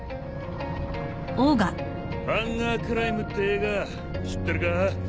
『ハンガークライム』って映画知ってるか？